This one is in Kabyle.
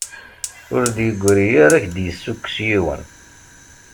Ur d-yegri ara k-d-yessukkes yiwen.